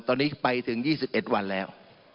ตอนนี้ไปถึง๒๑วันแล้ว